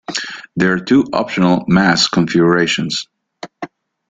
There are two optional mast configurations.